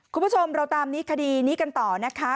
คุณผู้ชมเราตามนี้คดีนี้กันต่อนะคะ